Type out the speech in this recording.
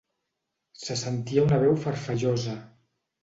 Se sentia una veu farfallosa.